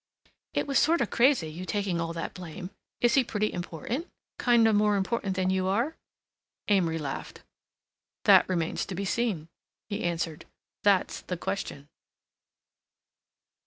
"It was sorta crazy you takin' all that blame. Is he pretty important? Kinda more important than you are?" Amory laughed. "That remains to be seen," he answered. "That's the question."